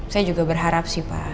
saya juga berharap sih pak